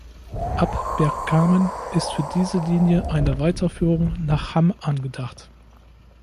Ab Bergkamen ist für diese Linie eine Weiterführung nach Hamm angedacht.